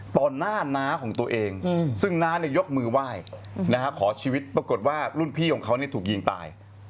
หน้าน้าของตัวเองซึ่งน้ายกมือไหว้ขอชีวิตปรากฏว่ารุ่นพี่ของเขาถูกยิงตาย